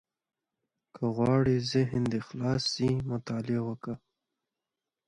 • که غواړې ذهن دې خلاص شي، مطالعه وکړه.